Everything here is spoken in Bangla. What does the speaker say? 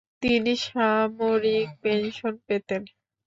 তিনি সামরিক পেনশন পেতেন।